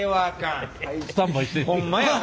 ホンマやわ。